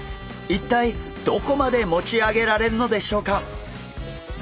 一体どこまで持ち上げられるのでしょうか？